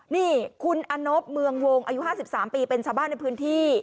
นี่คุณอนบเมืองวงอายุ๕๓ปีเป็นชาวบ้านในพื้นที่